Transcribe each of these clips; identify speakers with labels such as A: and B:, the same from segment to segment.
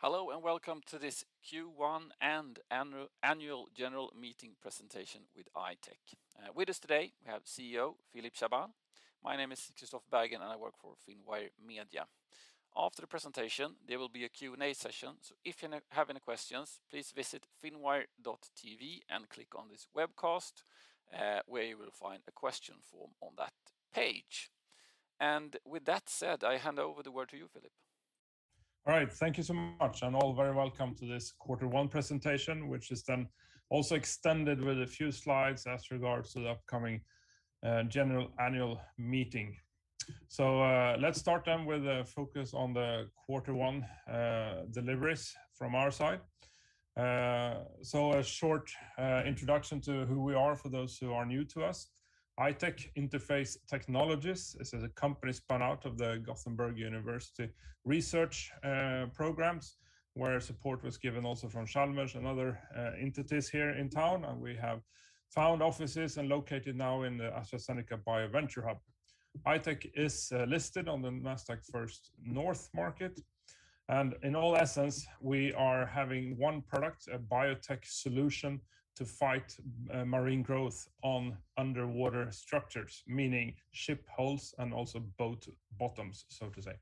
A: Hello and welcome to this Q1 and Annual General Meeting presentation with I-Tech. With us today we have CEO Philip Chaabane. My name is Kristoff Bergan, and I work for Finwire Media. After the presentation, there will be a Q&A session, so if you have any questions, please visit finwire.tv and click on this webcast, where you will find a question form on that page. With that said, I hand over the word to you, Philip.
B: All right. Thank you so much, and all very welcome to this quarter one presentation, which is then also extended with a few slides as regards to the upcoming general annual meeting. Let's start then with a focus on the quarter one deliveries from our side. A short introduction to who we are for those who are new to us. I-Tech is a company spun out of the University of Gothenburg research programs, where support was given also from Chalmers and other entities here in town, and we have found offices and located now in the AstraZeneca BioVenture Hub. I-Tech is listed on the Nasdaq First North Growth Market, and in all essence, we are having one product, a biotech solution to fight marine growth on underwater structures, meaning ship hulls and also boat bottoms, so to say.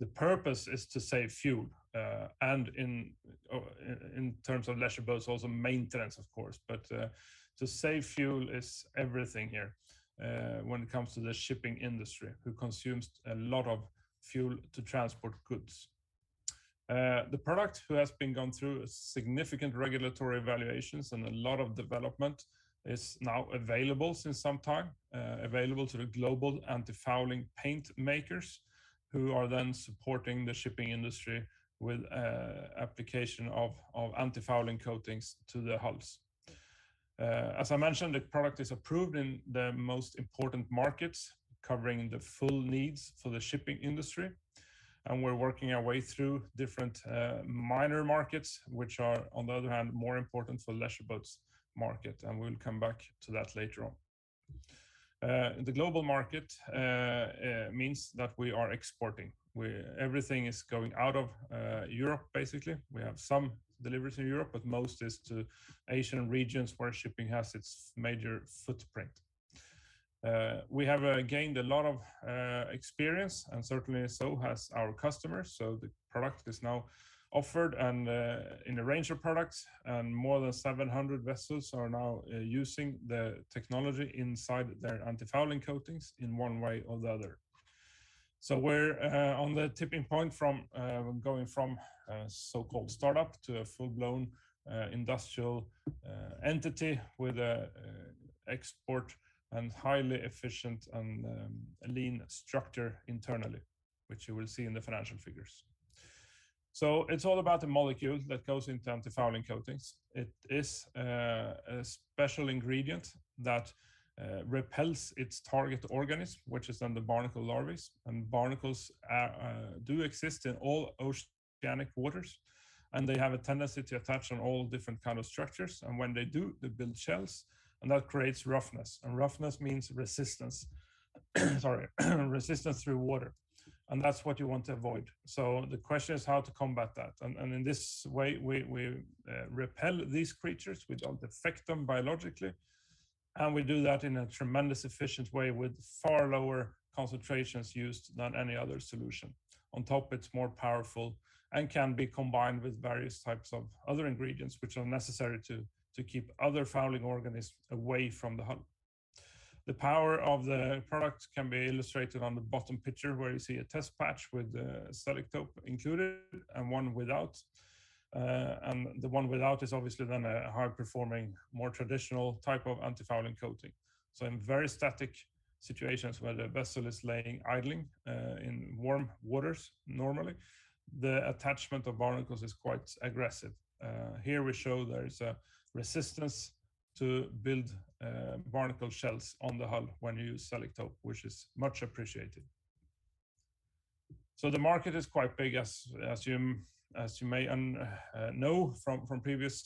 B: The purpose is to save fuel, and in terms of leisure boats, also maintenance of course. To save fuel is everything here, when it comes to the shipping industry, who consumes a lot of fuel to transport goods. The product has been gone through significant regulatory evaluations and a lot of development. It's now available since some time, available to the global antifouling paint makers, who are then supporting the shipping industry with application of antifouling coatings to the hulls. As I mentioned, the product is approved in the most important markets, covering the full needs for the shipping industry, and we're working our way through different minor markets, which are on the other hand more important for leisure boats market, and we'll come back to that later on. The global market means that we are exporting. Everything is going out of Europe, basically. We have some deliveries in Europe, but most is to Asian regions where shipping has its major footprint. We have gained a lot of experience and certainly so has our customers, so the product is now offered and in a range of products, and more than 700 vessels are now using the technology inside their antifouling coatings in one way or the other. We're on the tipping point from going from a so-called startup to a full-blown industrial entity with a export and highly efficient and lean structure internally, which you will see in the financial figures. It's all about the molecule that goes into antifouling coatings. It is a special ingredient that repels its target organism, which is the barnacle larvae. Barnacles do exist in all oceanic waters, and they have a tendency to attach on all different kind of structures. When they do, they build shells, and that creates roughness, and roughness means resistance. Sorry. Resistance through water, and that's what you want to avoid. The question is how to combat that. In this way, we repel these creatures without affecting them biologically, and we do that in a tremendously efficient way with far lower concentrations used than any other solution. On top, it's more powerful and can be combined with various types of other ingredients which are necessary to keep other fouling organisms away from the hull. The power of the product can be illustrated on the bottom picture, where you see a test patch with Selektope included and one without. The one without is obviously then a hard-performing, more traditional type of antifouling coating. In very static situations where the vessel is laying idling in warm waters normally, the attachment of barnacles is quite aggressive. Here we show there is a resistance to build barnacle shells on the hull when you use Selektope, which is much appreciated. The market is quite big, as you may know from previous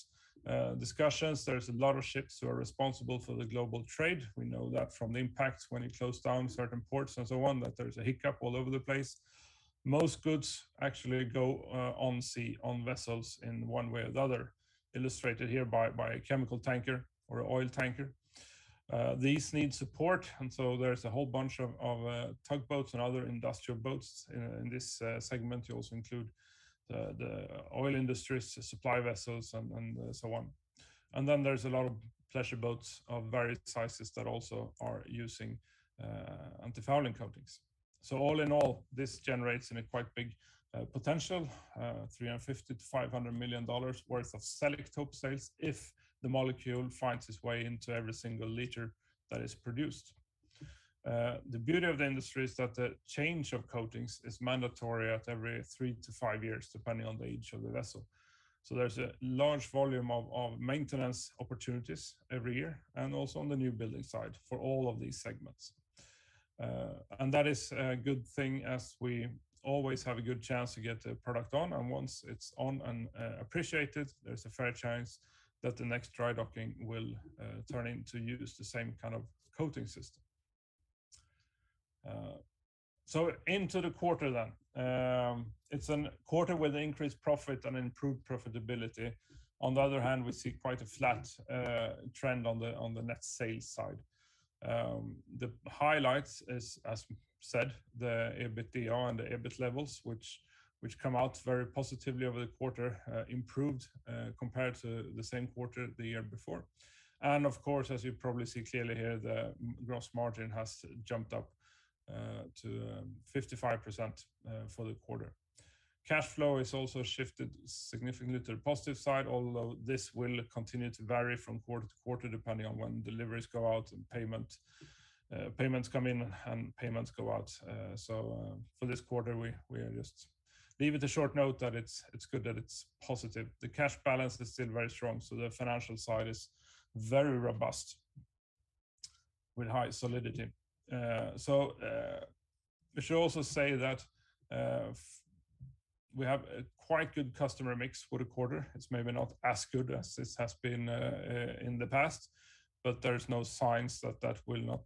B: discussions. There's a lot of ships who are responsible for the global trade. We know that from the impacts when it closed down certain ports and so on, that there's a hiccup all over the place. Most goods actually go on sea, on vessels in one way or the other, illustrated here by a chemical tanker or oil tanker. These need support, and so there's a whole bunch of tugboats and other industrial boats in this segment. You also include the oil industry's supply vessels and so on. There's a lot of pleasure boats of various sizes that also are using antifouling coatings. All in all, this generates in a quite big potential $350 million-$500 million worth of Selektope sales if the molecule finds its way into every single liter that is produced. The beauty of the industry is that the change of coatings is mandatory at every three to five years, depending on the age of the vessel. There's a large volume of maintenance opportunities every year and also on the new building side for all of these segments. That is a good thing as we always have a good chance to get the product on. Once it's on and appreciated, there's a fair chance that the next dry docking will turn into use the same kind of coating system. Into the quarter then. It's a quarter with increased profit and improved profitability. On the other hand, we see quite a flat trend on the net sales side. The highlights as we said, the EBITDA and the EBIT levels which come out very positively over the quarter, improved, compared to the same quarter the year before. As you probably see clearly here, the gross margin has jumped up to 55% for the quarter. Cash flow has also shifted significantly to the positive side, although this will continue to vary from quarter to quarter depending on when deliveries go out and payments come in and payments go out. For this quarter, we just leave it a short note that it's good that it's positive. The cash balance is still very strong, so the financial side is very robust with high solidity. We should also say that we have a quite good customer mix for the quarter. It's maybe not as good as this has been in the past, but there's no signs that will not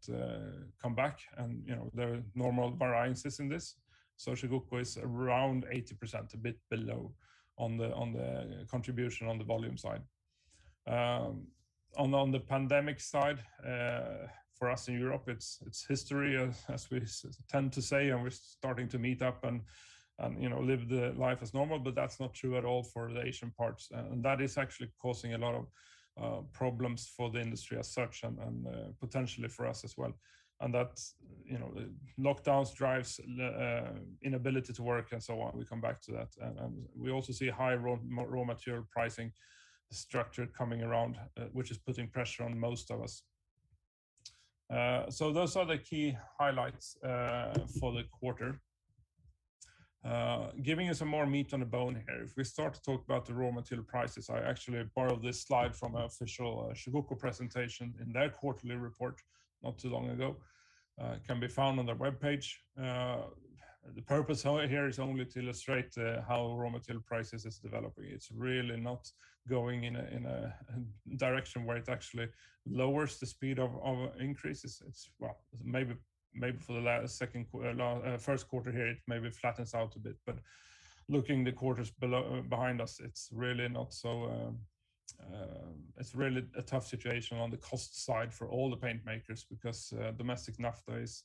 B: come back and, you know, there are normal variances in this. Chugoku is around 80%, a bit below on the contribution on the volume side. On the pandemic side, for us in Europe, it's history as we tend to say, and we're starting to meet up and, you know, live the life as normal, but that's not true at all for the Asian parts. That is actually causing a lot of problems for the industry as such and potentially for us as well. That's, you know, lockdowns drives inability to work and so on. We come back to that. We also see high raw material pricing structure coming around, which is putting pressure on most of us. Those are the key highlights for the quarter. Giving you some more meat on the bone here. If we start to talk about the raw material prices, I actually borrowed this slide from our official Chugoku presentation in their quarterly report not too long ago. It can be found on their webpage. The purpose of it here is only to illustrate how raw material prices is developing. It's really not going in a direction where it actually lowers the speed of increases. It's well, maybe for the first quarter here, it maybe flattens out a bit. Looking the quarters below, behind us, it's really a tough situation on the cost side for all the paint makers because domestic naphtha is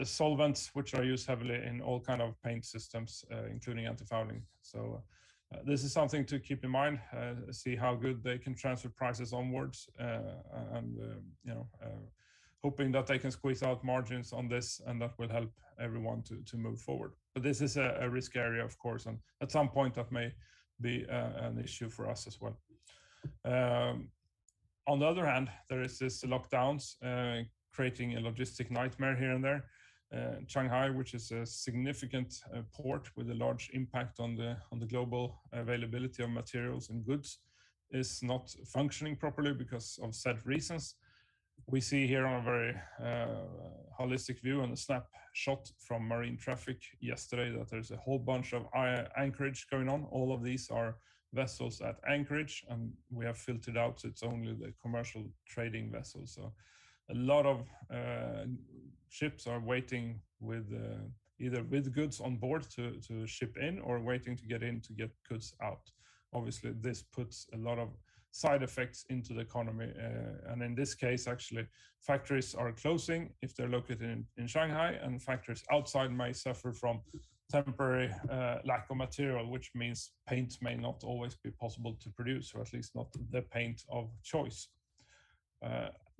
B: a solvent which are used heavily in all kind of paint systems, including antifouling. This is something to keep in mind, see how good they can transfer prices onwards, and, you know, hoping that they can squeeze out margins on this, and that will help everyone to move forward. This is a risk area of course, and at some point that may be an issue for us as well. On the other hand, there is this lockdowns, creating a logistical nightmare here and there. Shanghai, which is a significant port with a large impact on the global availability of materials and goods, is not functioning properly because of said reasons. We see here on a very holistic view and a snapshot from MarineTraffic yesterday that there's a whole bunch of anchorage going on. All of these are vessels at anchorage, and we have filtered out, so it's only the commercial trading vessels. A lot of ships are waiting either with goods on board to ship in or waiting to get in to get goods out. Obviously, this puts a lot of side effects into the economy, and in this case, actually, factories are closing if they're located in Shanghai, and factories outside may suffer from temporary lack of material, which means paint may not always be possible to produce, or at least not the paint of choice.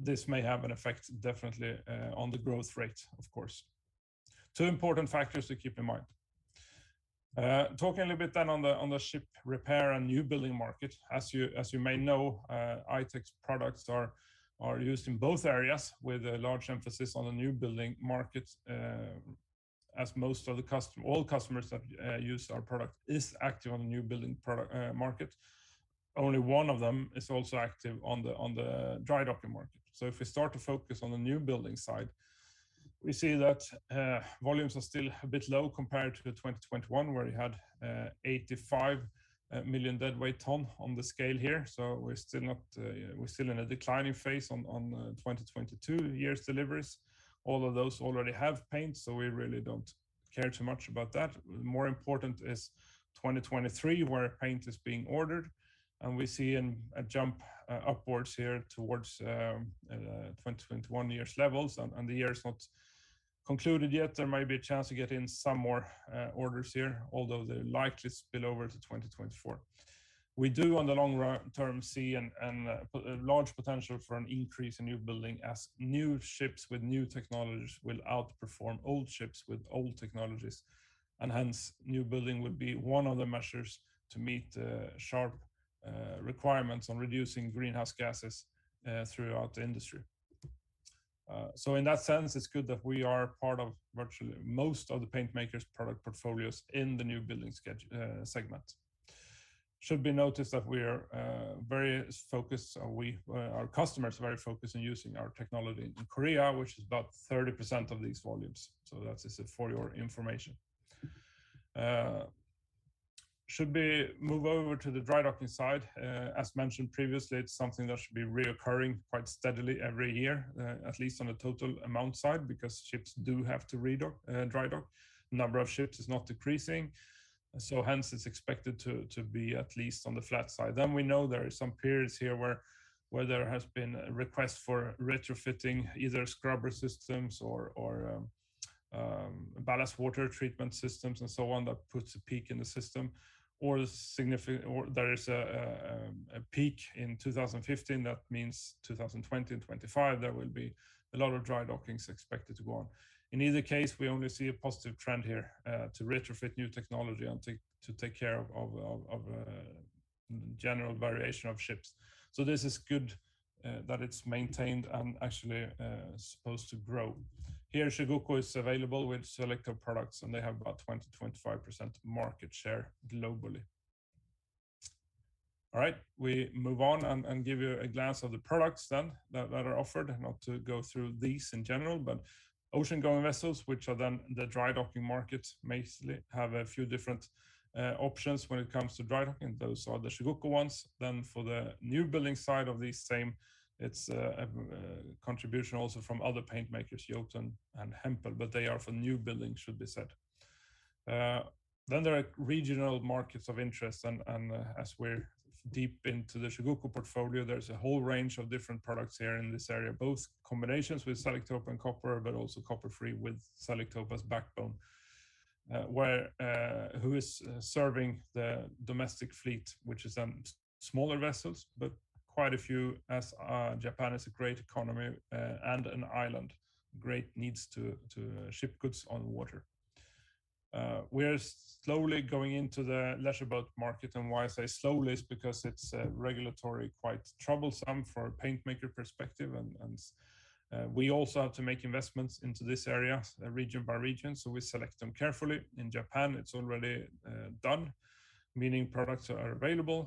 B: This may have an effect definitely on the growth rate, of course. Two important factors to keep in mind. Talking a little bit then on the ship repair and new building market. As you may know, I-Tech's products are used in both areas with a large emphasis on the new building market, as most of all customers that use our product is active on the new building market. Only one of them is also active on the dry docking market. If we start to focus on the new building side, we see that volumes are still a bit low compared to the 2021, where you had 85 million deadweight ton on the scale here. We're still in a declining phase on 2022 year's deliveries. All of those already have paint, so we really don't care too much about that. More important is 2023, where paint is being ordered, and we see a jump upwards here towards 2021 year's levels, and the year is not concluded yet. There might be a chance to get in some more orders here, although they're likely to spill over to 2024. We do, on the long term, see a large potential for an increase in new building as new ships with new technologies will outperform old ships with old technologies. Hence, new building would be one of the measures to meet the sharp requirements on reducing greenhouse gases throughout the industry. In that sense, it's good that we are part of virtually most of the paint makers' product portfolios in the new building segment. It should be noted that our customers are very focused on using our technology in Korea, which is about 30% of these volumes. That's just for your information. We should move over to the dry docking side. As mentioned previously, it's something that should be recurring quite steadily every year, at least on a total amount side, because ships do have to dry dock. Number of ships is not decreasing, so hence it's expected to be at least on the flat side. We know there are some periods here where there has been requests for retrofitting either scrubber systems or ballast water treatment systems and so on, that puts a peak in the system or there is a peak in 2015, that means 2020 and 2025, there will be a lot of dry dockings expected to go on. In either case, we only see a positive trend here to retrofit new technology and take care of general maintenance of ships. This is good that it's maintained and actually supposed to grow. Here, Chugoku is available with Selektope products, and they have about 20%-25% market share globally. All right. We move on and give you a glance of the products then that are offered. Not to go through these in general, but ocean-going vessels, which are then the dry docking markets, basically have a few different options when it comes to dry docking. Those are the Chugoku ones. For the new building side of these same, it's a contribution also from other paint makers, Jotun and Hempel, but they are for new building, should be said. There are regional markets of interest and as we're deep into the Chugoku portfolio, there's a whole range of different products here in this area, both combinations with Selektope and copper, but also copper-free with Selektope as backbone. Where who is serving the domestic fleet, which is then smaller vessels, but quite a few as Japan is a great economy and an island. Great needs to ship goods on water. We're slowly going into the leisure boat market, and why I say slowly is because it's regulatory quite troublesome from a paint maker perspective. We also have to make investments into this area, region by region, so we select them carefully. In Japan, it's already done, meaning products are available.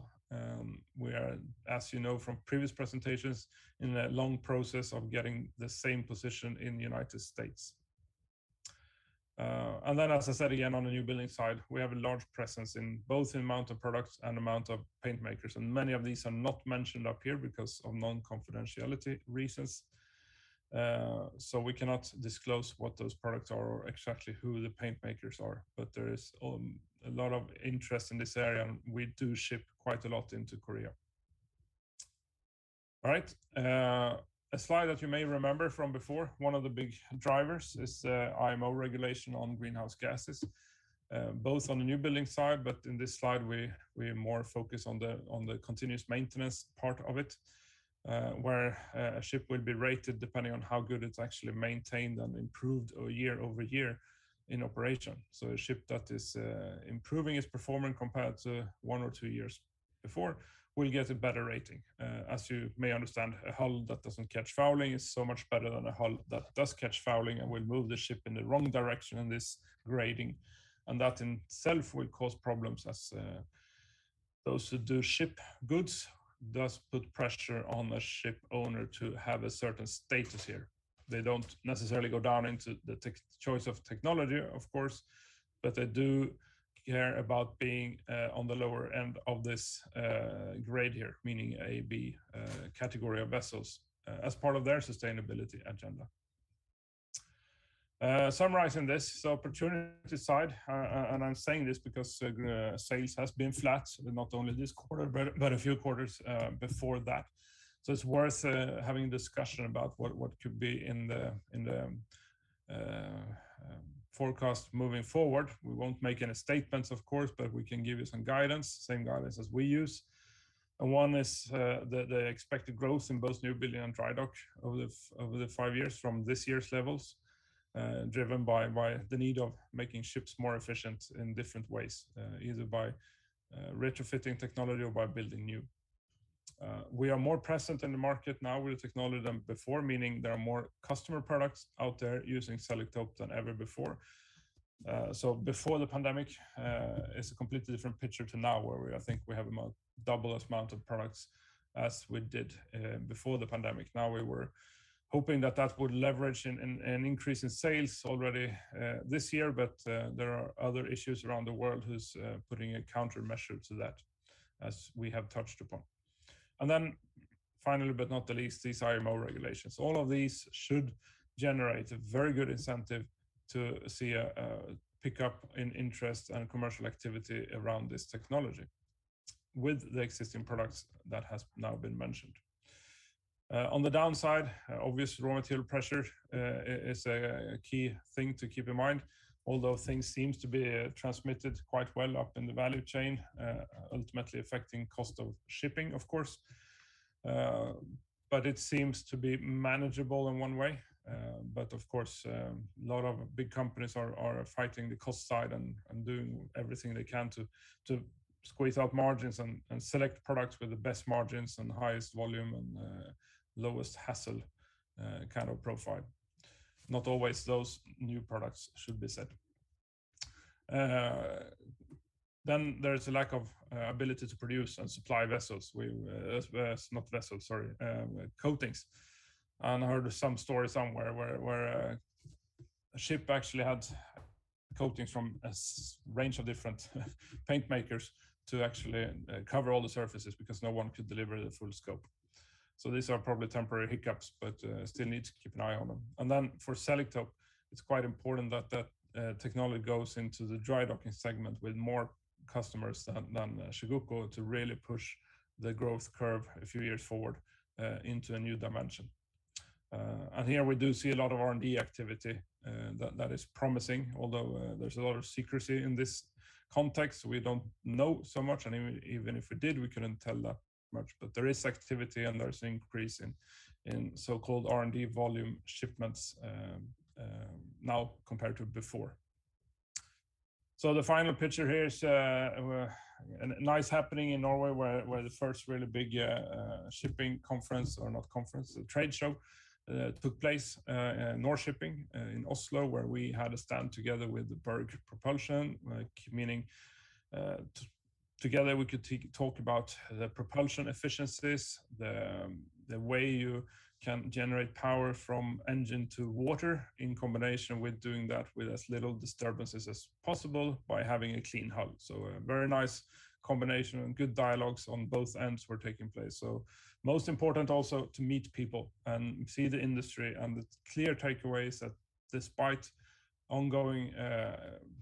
B: We are, as you know from previous presentations, in a long process of getting the same position in the United States. As I said again, on the new building side, we have a large presence in both amount of products and amount of paint makers, and many of these are not mentioned up here because of confidentiality reasons. We cannot disclose what those products are or exactly who the paint makers are. There is a lot of interest in this area, and we do ship quite a lot into Korea. All right. A slide that you may remember from before, one of the big drivers is the IMO regulation on greenhouse gases, both on the new building side, but in this slide we are more focused on the continuous maintenance part of it, where a ship will be rated depending on how good it's actually maintained and improved year-over-year in operation. A ship that is improving its performance compared to one or two years before will get a better rating. As you may understand, a hull that doesn't catch fouling is so much better than a hull that does catch fouling and will move the ship in the wrong direction in this grading. That in itself will cause problems as those who ship goods thus put pressure on a ship owner to have a certain status here. They don't necessarily go down into the choice of technology, of course, but they do care about being on the lower end of this grade here, meaning A, B category of vessels as part of their sustainability agenda. Summarizing this, opportunity side, and I'm saying this because sales has been flat, not only this quarter but a few quarters before that. It's worth having a discussion about what could be in the forecast moving forward. We won't make any statements, of course, but we can give you some guidance, same guidance as we use. One is the expected growth in both new building and dry docking over the five years from this year's levels, driven by the need of making ships more efficient in different ways, either by retrofitting technology or by building new. We are more present in the market now with technology than before, meaning there are more customer products out there using Selektope than ever before. Before the pandemic is a completely different picture to now, where I think we have about double the amount of products as we did before the pandemic. We were hoping that that would leverage an increase in sales already this year, but there are other issues around the world which are putting a countermeasure to that, as we have touched upon. Then finally, last but not least, these IMO regulations. All of these should generate a very good incentive to see a pick up in interest and commercial activity around this technology with the existing products that has now been mentioned. On the downside, obviously, raw material pressure is a key thing to keep in mind. Although things seems to be transmitted quite well up in the value chain, ultimately affecting cost of shipping, of course, but it seems to be manageable in one way. Of course, a lot of big companies are fighting the cost side and doing everything they can to squeeze out margins and select products with the best margins and highest volume and lowest hassle kind of profile. Not always those new products should be said. There is a lack of ability to produce and supply vessels. Not vessels, sorry, coatings. I heard some story somewhere where the ship actually had coatings from a range of different paint makers to actually cover all the surfaces because no one could deliver the full scope. These are probably temporary hiccups, but still need to keep an eye on them. For Selektope, it's quite important that technology goes into the dry docking segment with more customers than Chugoku to really push the growth curve a few years forward into a new dimension. Here we do see a lot of R&D activity, that is promising, although, there's a lot of secrecy in this context, we don't know so much, and even if we did, we couldn't tell that much. There is activity, and there's increase in so-called R&D volume shipments, now compared to before. The final picture here is a nice happening in Norway, where the first really big shipping conference, or not conference, a trade show, took place at Nor-Shipping in Oslo, where we had a stand together with the Berg Propulsion, like, meaning, together we could talk about the propulsion efficiencies, the way you can generate power from engine to water, in combination with doing that with as little disturbances as possible by having a clean hull. A very nice combination and good dialogues on both ends were taking place. Most important also to meet people and see the industry, and the clear takeaway is that despite ongoing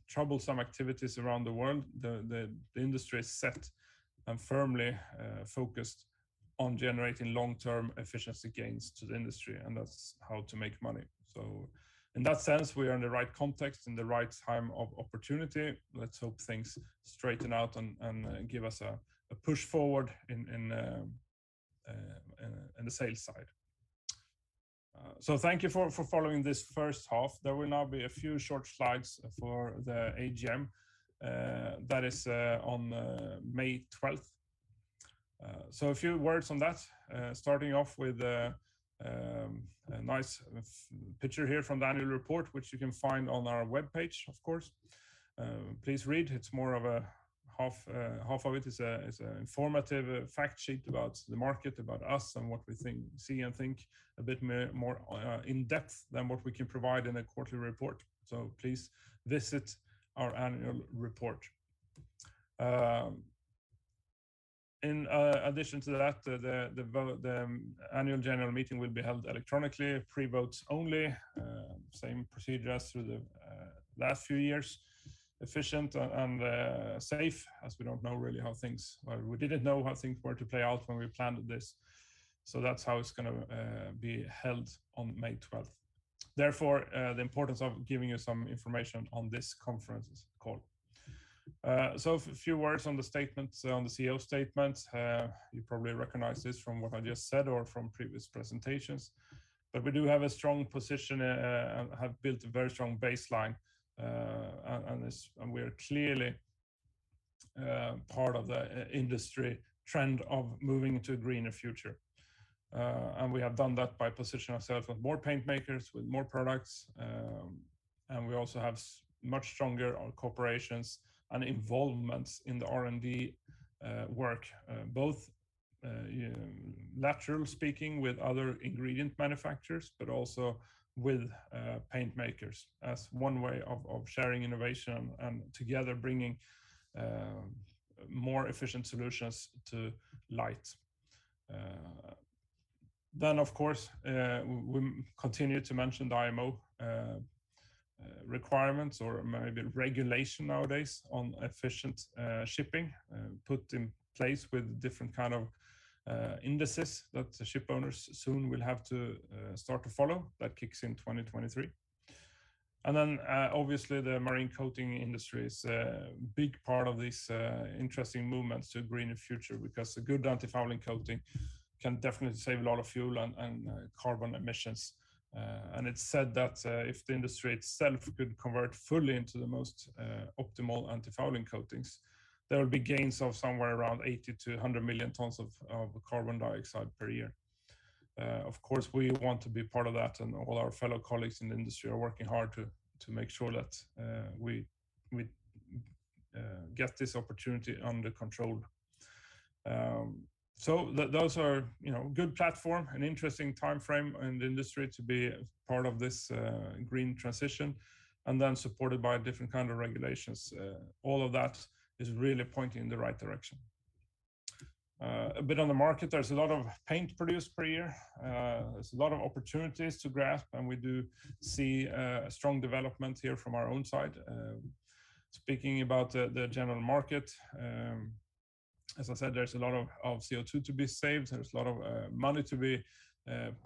B: troublesome activities around the world, the industry is set and firmly focused on generating long-term efficiency gains to the industry, and that's how to make money. In that sense, we are in the right context, in the right time of opportunity. Let's hope things straighten out and give us a push forward in the sales side. Thank you for following this first half. There will now be a few short slides for the AGM that is on May 12th. A few words on that, starting off with a nice picture here from the annual report, which you can find on our webpage, of course. Please read. Half of it is an informative fact sheet about the market, about us, and what we see and think, a bit more in-depth than what we can provide in a quarterly report. Please visit our annual report. In addition to that, the annual general meeting will be held electronically, pre-votes only, same procedure as through the last few years. Efficient and safe, as we didn't know really how things were to play out when we planned this. That's how it's gonna be held on May 12th. Therefore, the importance of giving you some information on this conference call. A few words on the statements, on the CEO statements. You probably recognize this from what I just said or from previous presentations. We do have a strong position, have built a very strong baseline, on this, and we are clearly part of the industry trend of moving to a greener future. We have done that by positioning ourselves with more paint makers, with more products, and we also have so much stronger cooperations and involvements in the R&D work, both laterally speaking with other ingredient manufacturers, but also with paint makers as one way of sharing innovation and together bringing more efficient solutions to light. Of course, we continue to mention the IMO requirements or maybe regulation nowadays on efficient shipping put in place with different kind of indices that the ship owners soon will have to start to follow. That kicks in 2023. Obviously the marine coating industry is a big part of this interesting movement to a greener future, because a good antifouling coating can definitely save a lot of fuel and carbon emissions. It's said that if the industry itself could convert fully into the most optimal antifouling coatings, there would be gains of somewhere around 80 million-100 million tons of carbon dioxide per year. Of course, we want to be part of that, and all our fellow colleagues in the industry are working hard to make sure that we get this opportunity under control. Those are, you know, good platform, an interesting timeframe in the industry to be part of this green transition, and then supported by different kind of regulations. All of that is really pointing in the right direction. A bit on the market. There's a lot of paint produced per year. There's a lot of opportunities to grasp, and we do see strong development here from our own side. Speaking about the general market, as I said, there's a lot of CO2 to be saved, there's a lot of money to be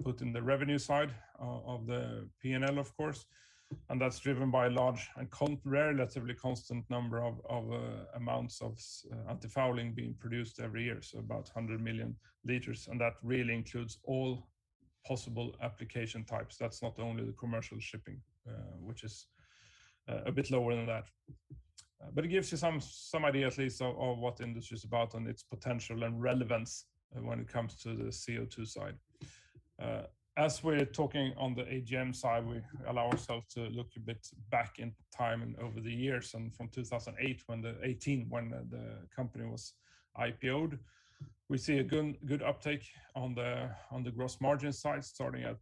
B: put in the revenue side of the P&L, of course. That's driven by a large and relatively constant number of amounts of antifouling being produced every year, so about 100 million L, and that really includes all possible application types. That's not only the commercial shipping, which is a bit lower than that. It gives you some idea at least of what the industry is about and its potential and relevance when it comes to the CO2 side. As we're talking on the AGM side, we allow ourselves to look a bit back in time and over the years and from 2018 when the company was IPO'd. We see a good uptake on the gross margin side, starting at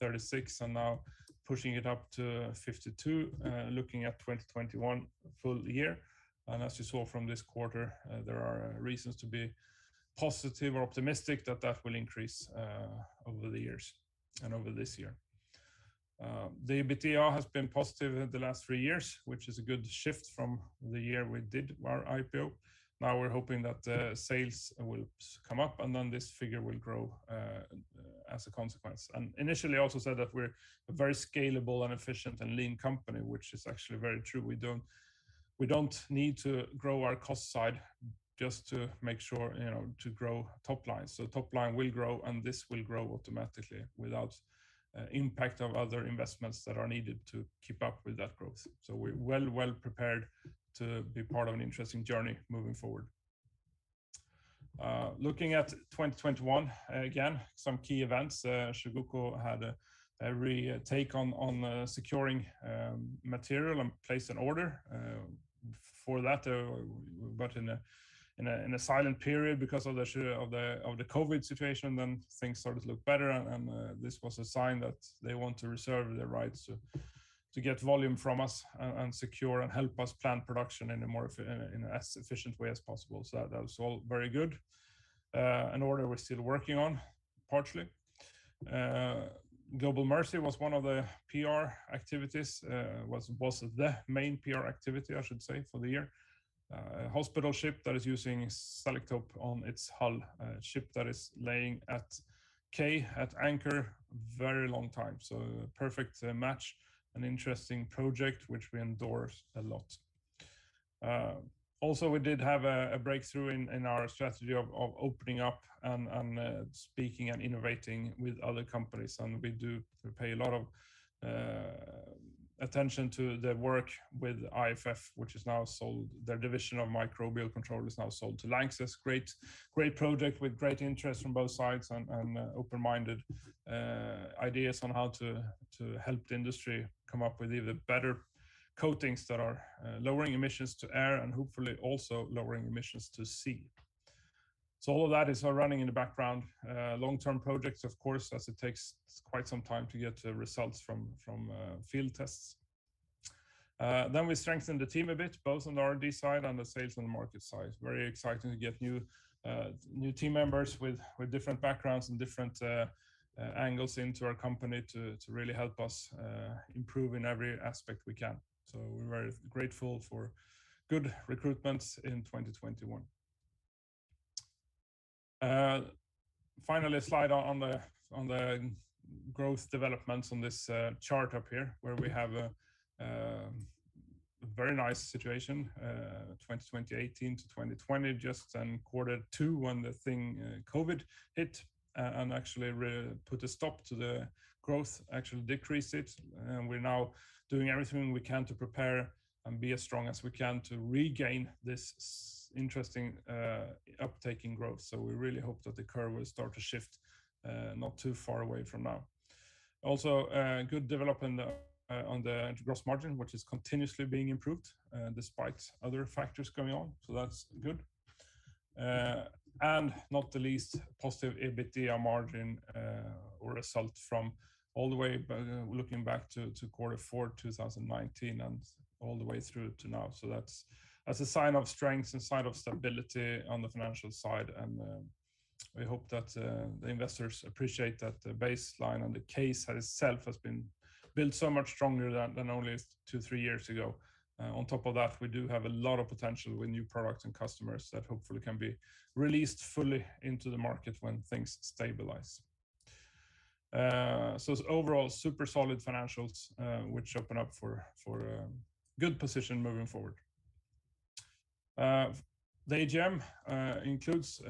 B: 36% and now pushing it up to 52%, looking at 2021 full year. As you saw from this quarter, there are reasons to be positive or optimistic that that will increase over the years and over this year. The EBITDA has been positive over the last three years, which is a good shift from the year we did our IPO. Now we're hoping that sales will come up and then this figure will grow as a consequence. Initially I also said that we're a very scalable and efficient and lean company, which is actually very true. We don't need to grow our cost side just to make sure, you know, to grow top line. Top line will grow, and this will grow automatically without impact of other investments that are needed to keep up with that growth. We're well prepared to be part of an interesting journey moving forward. Looking at 2021, again, some key events. Chugoku had a breakthrough on securing material and place an order for that, but in a silent period because of the COVID situation, then things started to look better and this was a sign that they want to reserve their rights to get volume from us and secure and help us plan production in as efficient way as possible. That was all very good. An order we're still working on, partially. Global Mercy was one of the PR activities, was the main PR activity, I should say, for the year. A hospital ship that is using Selektope on its hull, a ship that is laying at quay, at anchor, very long time. A perfect match, an interesting project which we endorse a lot. We did have a breakthrough in our strategy of opening up and speaking and innovating with other companies. We do pay a lot of attention to the work with IFF, which is now sold. Their division of microbial control is now sold to Lanxess. Great project with great interest from both sides and open-minded ideas on how to help the industry come up with even better coatings that are lowering emissions to air and hopefully also lowering emissions to sea. All of that is running in the background. Long-term projects, of course, as it takes quite some time to get the results from field tests. We strengthened the team a bit, both on the R&D side and the sales and the market side. Very exciting to get new team members with different backgrounds and different angles into our company to really help us improve in every aspect we can. We're very grateful for good recruitments in 2021. Finally, a slide on the growth developments on this chart up here, where we have a very nice situation, 2018 to 2020, just in quarter two when the thing, COVID hit, and actually put a stop to the growth, actually decreased it. We're now doing everything we can to prepare and be as strong as we can to regain this interesting uptake in growth. We really hope that the curve will start to shift not too far away from now. A good development on the gross margin, which is continuously being improved despite other factors going on. That's good. Not least, positive EBITDA margin or result from all the way looking back to quarter four 2019 and all the way through to now. That's a sign of strength and sign of stability on the financial side, and we hope that the investors appreciate that the baseline and the case itself has been built so much stronger than only two to three years ago. On top of that, we do have a lot of potential with new products and customers that hopefully can be released fully into the market when things stabilize. It's overall super solid financials, which open up for a good position moving forward. The AGM includes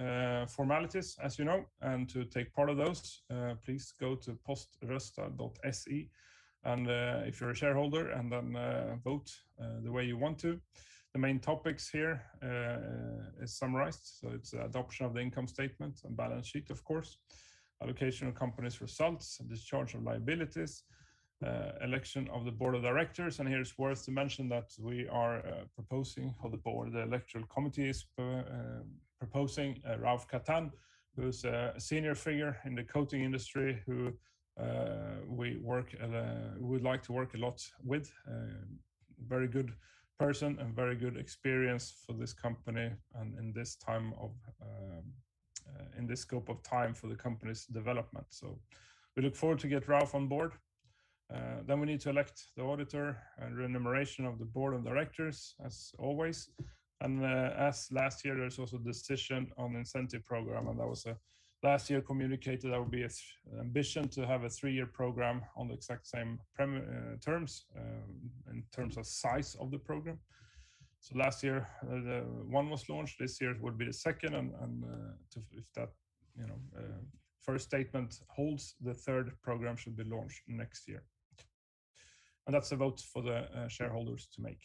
B: formalities, as you know. To take part of those, please go to poströsta.se and, if you're a shareholder, and then vote the way you want to. The main topics here is summarized. It's adoption of the income statement and balance sheet, of course. Allocation of company's results, discharge of liabilities, election of the board of directors. Here it's worth to mention that we are proposing for the board, the electoral committees, proposing Raouf Kattan, who's a senior figure in the coating industry who we would like to work a lot with. Very good person and very good experience for this company and in this scope of time for the company's development. We look forward to get Raouf on board. We need to elect the auditor and remuneration of the board of directors, as always. As last year, there's also a decision on incentive program, and that was last year communicated. That would be an ambition to have a three-year program on the exact same terms in terms of size of the program. Last year, the one was launched. This year it would be the second, and if that first statement holds, the third program should be launched next year. That's a vote for the shareholders to make.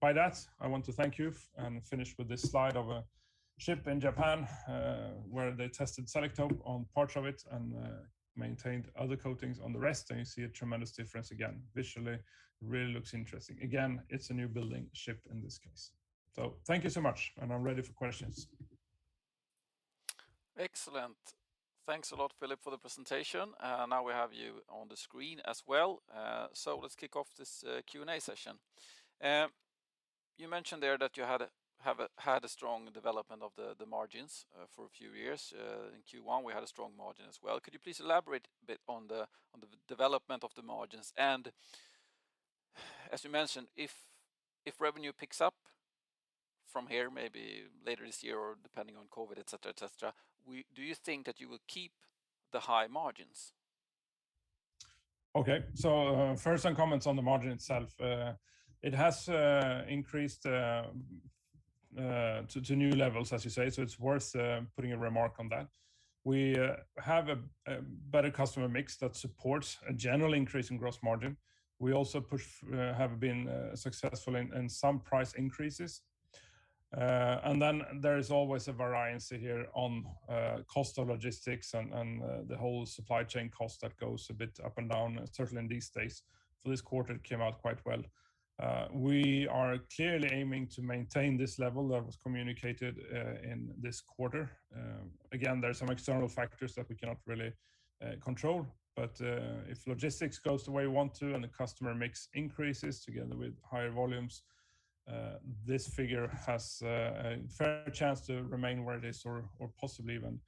B: By that, I want to thank you and finish with this slide of a ship in Japan, where they tested Selektope on parts of it and maintained other coatings on the rest, and you see a tremendous difference again. Visually really looks interesting. Again, it's a new building ship in this case. Thank you so much, and I'm ready for questions.
A: Excellent. Thanks a lot, Philip, for the presentation. Now we have you on the screen as well. So let's kick off this Q&A session. You mentioned there that you had a strong development of the margins for a few years. In Q1, we had a strong margin as well. Could you please elaborate a bit on the development of the margins? As you mentioned, if revenue picks up from here, maybe later this year or depending on COVID, etc., do you think that you will keep the high margins?
B: Okay. First on comments on the margin itself. It has increased to new levels, as you say, so it's worth putting a remark on that. We have a better customer mix that supports a general increase in gross margin. We also have been successful in some price increases. Then there is always a variance here on cost of logistics and the whole supply chain cost that goes a bit up and down, certainly in these days. This quarter it came out quite well. We are clearly aiming to maintain this level that was communicated in this quarter. Again, there are some external factors that we cannot really control. If logistics goes the way we want to and the customer mix increases together with higher volumes, this figure has a fair chance to remain where it is or possibly even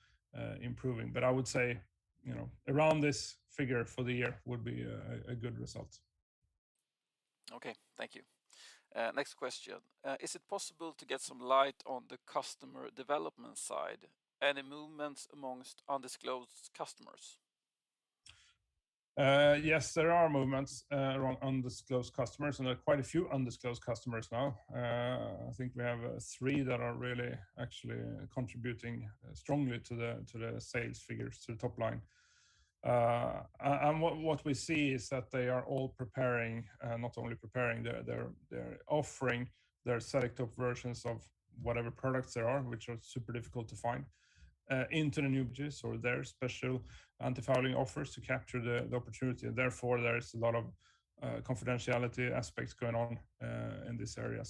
B: improving. I would say, you know, around this figure for the year would be a good result.
A: Okay. Thank you. Next question. Is it possible to get some light on the customer development side? Any movements among undisclosed customers?
B: Yes, there are movements around undisclosed customers, and there are quite a few undisclosed customers now. I think we have three that are really actually contributing strongly to the sales figures, to the top line. What we see is that they are all preparing, not only preparing, they're offering their Selektope versions of whatever products there are, which are super difficult to find into the new builds or their special antifouling offers to capture the opportunity. Therefore, there is a lot of confidentiality aspects going on in this area.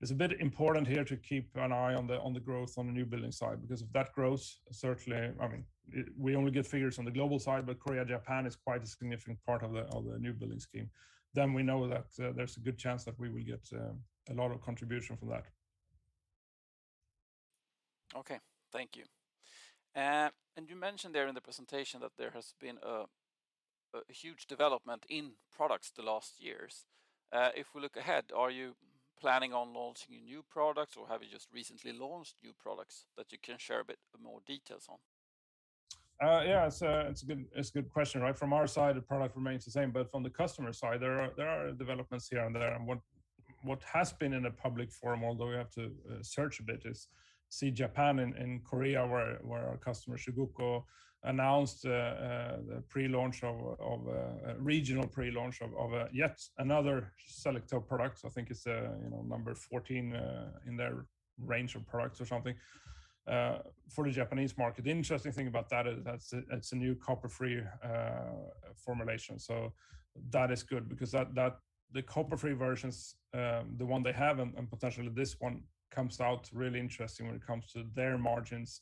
B: It's a bit important here to keep an eye on the growth on the new building side, because if that grows, certainly. I mean, we only get figures on the global side, but Korea, Japan is quite a significant part of the new building scheme. We know that there's a good chance that we will get a lot of contribution from that.
A: Okay. Thank you. You mentioned there in the presentation that there has been a huge development in products the last years. If we look ahead, are you planning on launching new products, or have you just recently launched new products that you can share a bit more details on?
B: Yeah. It's a good question, right? From our side, the product remains the same. From the customer side, there are developments here and there. What has been in a public forum, although we have to search a bit, is in Japan and Korea where our customer, Chugoku, announced the regional pre-launch of yet another Selektope product. I think it's, you know, number 14 in their range of products or something for the Japanese market. The interesting thing about that is that's a new copper-free formulation. That is good because the copper-free versions, the one they have and potentially this one comes out really interesting when it comes to their margins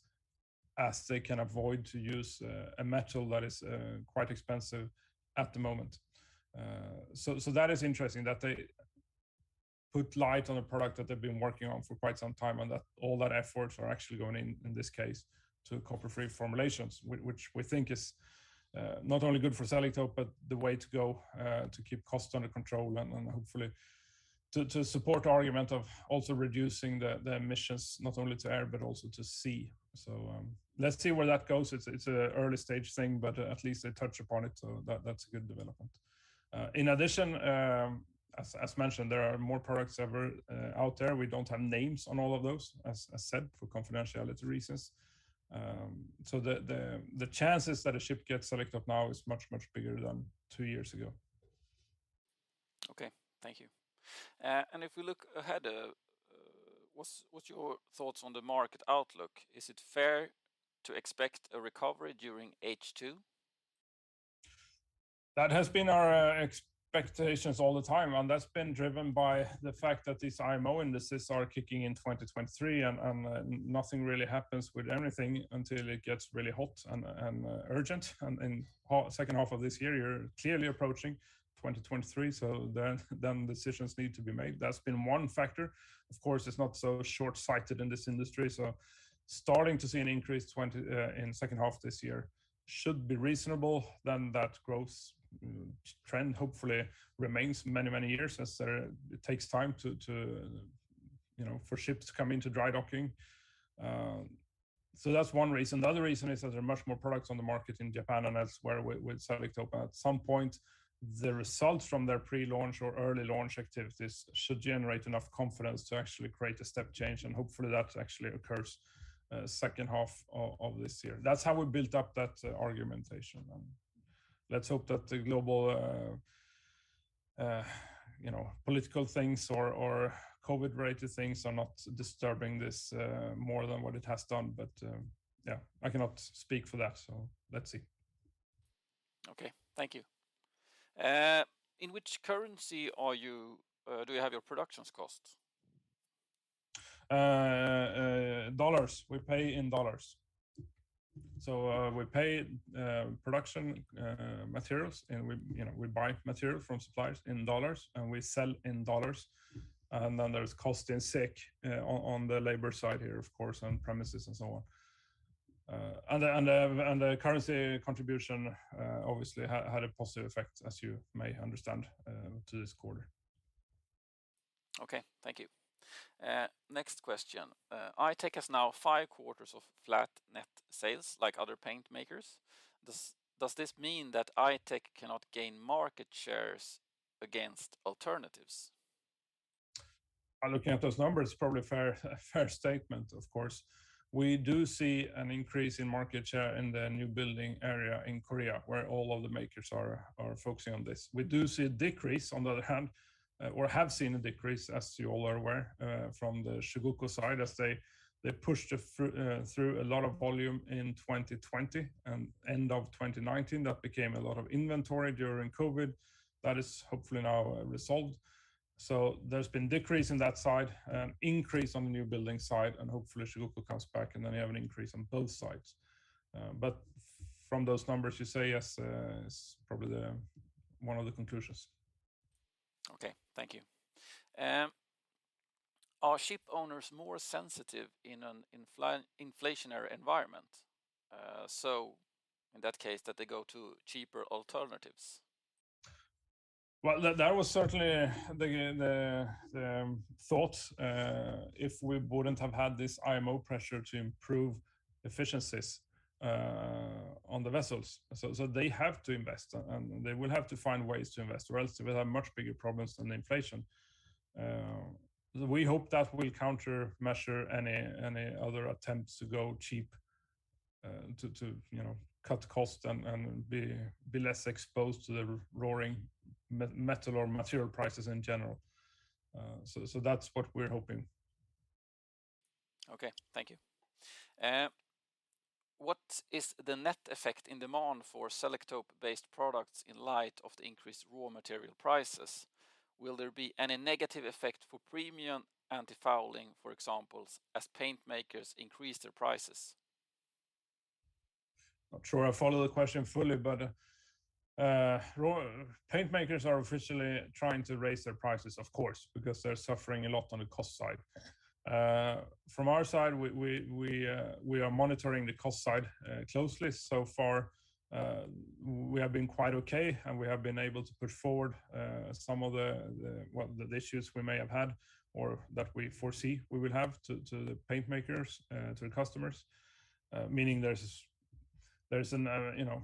B: as they can avoid to use a metal that is quite expensive at the moment. That is interesting that they shed light on a product that they've been working on for quite some time, and that all that efforts are actually going in this case to copper-free formulations, which we think is not only good for Selektope, but the way to go to keep costs under control and hopefully to support our argument of also reducing the emissions, not only to air, but also to sea. Let's see where that goes. It's an early-stage thing, but at least they touch upon it. That's a good development. In addition, as mentioned, there are more products that we're out there. We don't have names on all of those, as I said, for confidentiality reasons. The chances that a ship gets Selektope now is much bigger than two years ago.
A: Okay. Thank you. If we look ahead, what's your thoughts on the market outlook? Is it fair to expect a recovery during H2?
B: That has been our expectations all the time, and that's been driven by the fact that these IMO indices are kicking in 2023 and nothing really happens with anything until it gets really hot and urgent. In second half of this year, you're clearly approaching 2023, so decisions need to be made. That's been one factor. Of course, it's not so short-sighted in this industry, so starting to see an increase in second half this year should be reasonable. Then that growth trend hopefully remains many years as it takes time to, you know, for ships to come into dry docking. So that's one reason. The other reason is that there are much more products on the market in Japan and elsewhere with Selektope. At some point, the results from their pre-launch or early launch activities should generate enough confidence to actually create a step change, and hopefully that actually occurs, second half of this year. That's how we built up that argumentation. Let's hope that the global, you know, political things or COVID-related things are not disturbing this, more than what it has done. Yeah, I cannot speak for that, so let's see.
A: Okay. Thank you. In which currency do you have your production costs?
B: Dollars. We pay in dollars. We pay production materials, and you know, we buy material from suppliers in dollars, and we sell in dollars. There's cost in SEK on the labor side here, of course, on premises and so on. The currency contribution obviously had a positive effect, as you may understand, to this quarter.
A: Okay. Thank you. Next question. I-Tech has now five quarters of flat net sales like other paint makers. Does this mean that I-Tech cannot gain market shares against alternatives?
B: By looking at those numbers, probably a fair statement, of course. We do see an increase in market share in the new building area in Korea, where all of the makers are focusing on this. We do see a decrease on the other hand, or have seen a decrease, as you all are aware, from the Chugoku side, as they pushed it through a lot of volume in 2020 and end of 2019. That became a lot of inventory during COVID. That is hopefully now resolved. There's been decrease in that side, an increase on the new building side, and hopefully Chugoku comes back, and then you have an increase on both sides. From those numbers, you say yes, is probably one of the conclusions.
A: Okay. Thank you. Are ship owners more sensitive in an inflationary environment? In that case that they go to cheaper alternatives.
B: Well, that was certainly the thought if we wouldn't have had this IMO pressure to improve efficiencies on the vessels. They have to invest, and they will have to find ways to invest, or else they will have much bigger problems than inflation. We hope that will countermeasure any other attempts to go cheap, to you know cut costs and be less exposed to the soaring metal or material prices in general. That's what we're hoping.
A: Okay. Thank you. What is the net effect in demand for Selektope-based products in light of the increased raw material prices? Will there be any negative effect for premium antifouling, for example, as paint makers increase their prices?
B: Not sure I follow the question fully, but paint makers are officially trying to raise their prices, of course, because they're suffering a lot on the cost side. From our side, we are monitoring the cost side closely. So far, we have been quite okay, and we have been able to push forward some of the issues we may have had or that we foresee we will have to the paint makers, to the customers. Meaning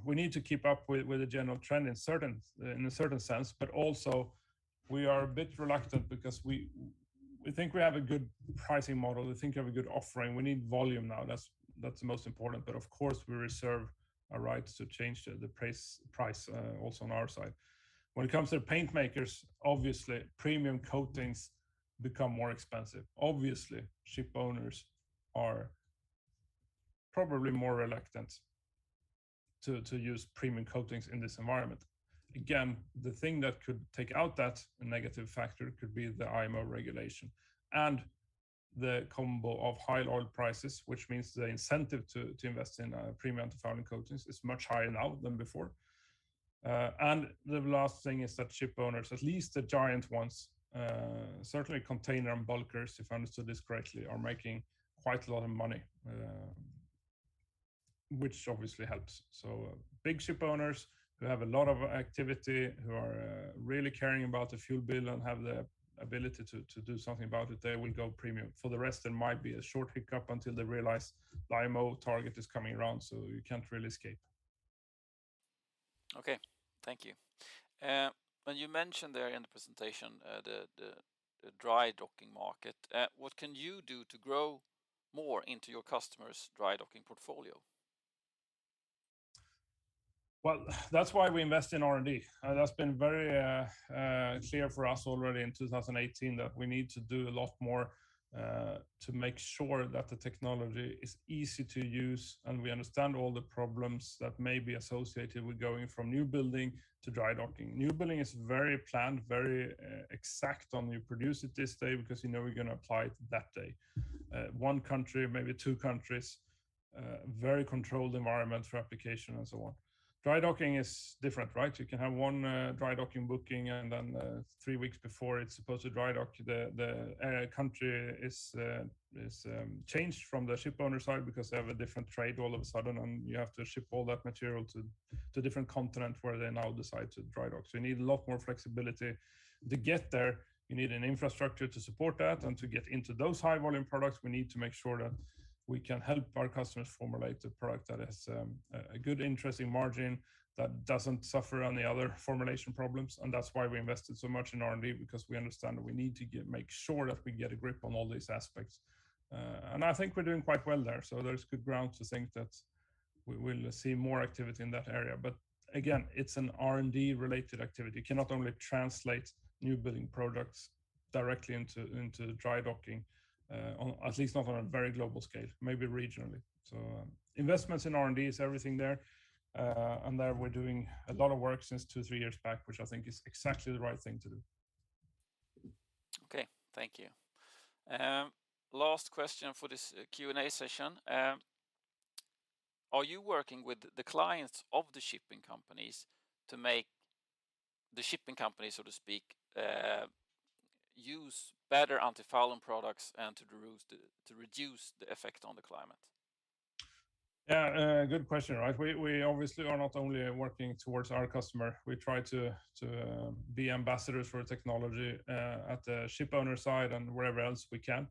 B: we need to keep up with the general trend in a certain sense, but also we are a bit reluctant because we think we have a good pricing model. We think we have a good offering. We need volume now. That's the most important. Of course, we reserve our rights to change the price also on our side. When it comes to paint makers, obviously premium coatings become more expensive. Obviously, ship owners are probably more reluctant to use premium coatings in this environment. Again, the thing that could take out that negative factor could be the IMO regulation and the combo of high oil prices, which means the incentive to invest in premium antifouling coatings is much higher now than before. The last thing is that ship owners, at least the giant ones, certainly container and bulkers, if I understood this correctly, are making quite a lot of money, which obviously helps. Big ship owners who have a lot of activity, who are really caring about the fuel bill and have the ability to do something about it, they will go premium. For the rest, there might be a short hiccup until they realize the IMO target is coming around, so you can't really escape.
A: Okay. Thank you. You mentioned there in the presentation the dry docking market. What can you do to grow more into your customers' dry docking portfolio?
B: Well, that's why we invest in R&D. That's been very clear for us already in 2018 that we need to do a lot more to make sure that the technology is easy to use, and we understand all the problems that may be associated with going from new building to dry docking. New building is very planned, very exact on when you produce it this day because you know you're going to apply it that day. One country, maybe two countries, very controlled environment for application and so on. Dry docking is different, right? You can have one dry docking booking, and then three weeks before it's supposed to dry dock, the country is changed from the ship owner side because they have a different trade all of a sudden, and you have to ship all that material to a different continent where they now decide to dry dock. You need a lot more flexibility. To get there, you need an infrastructure to support that, and to get into those high volume products, we need to make sure that we can help our customers formulate a product that has a good interesting margin that doesn't suffer on the other formulation problems. That's why we invested so much in R&D because we understand that we need to make sure that we can get a grip on all these aspects. I think we're doing quite well there. There's good grounds to think that we will see more activity in that area. Again, it's an R&D-related activity. You cannot only translate new building products directly into dry docking, at least not on a very global scale, maybe regionally. Investments in R&D is everything there, and there we're doing a lot of work since two, three years back, which I think is exactly the right thing to do.
A: Okay. Thank you. Last question for this Q&A session. Are you working with the clients of the shipping companies to make the shipping companies, so to speak, use better antifouling products and to reduce the effect on the climate?
B: Yeah. Good question, right. We obviously are not only working toward our customer, we try to be ambassadors for technology at the shipowner side and wherever else we can,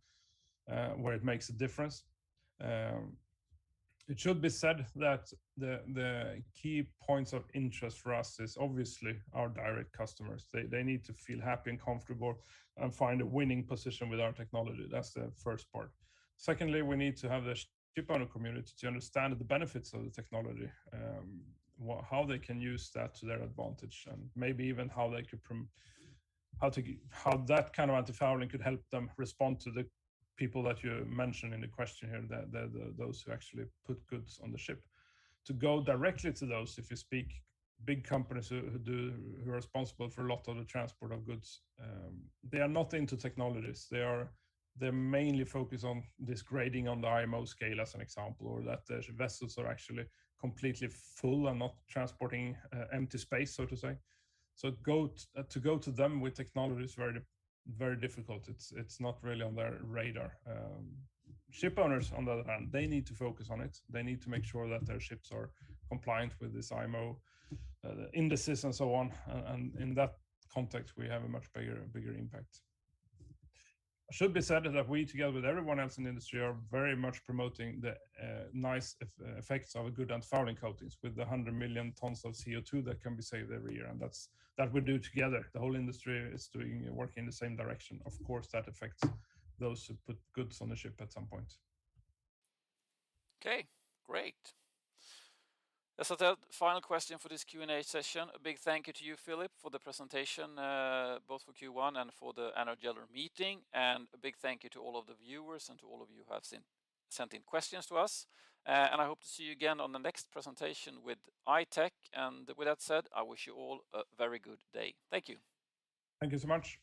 B: where it makes a difference. It should be said that the key points of interest for us is obviously our direct customers. They need to feel happy and comfortable and find a winning position with our technology. That's the first part. Secondly, we need to have the shipowner community to understand the benefits of the technology, how they can use that to their advantage, and maybe even how that kind of antifouling could help them respond to the people that you mentioned in the question here, those who actually put goods on the ship. To go directly to those, if you speak to big companies who are responsible for a lot of the transport of goods, they are not into technologies. They're mainly focused on this grading on the IMO scale as an example, or that the vessels are actually completely full and not transporting empty space, so to say. To go to them with technology is very difficult. It's not really on their radar. Ship owners, on the other hand, they need to focus on it. They need to make sure that their ships are compliant with this IMO indices and so on. In that context, we have a much bigger impact. It should be said that we, together with everyone else in the industry, are very much promoting the nice effects of a good antifouling coatings with the 100 million tons of CO2 that can be saved every year, and that's that we do together. The whole industry is doing, working in the same direction. Of course, that affects those who put goods on the ship at some point.
A: Okay. Great. That's the third, final question for this Q&A session. A big thank you to you, Philip, for the presentation, both for Q1 and for the annual general meeting, and a big thank you to all of the viewers and to all of you who have sent in questions to us. I hope to see you again on the next presentation with I-Tech. With that said, I wish you all a very good day. Thank you.
B: Thank you so much.